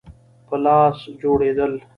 په لاس جوړېدل.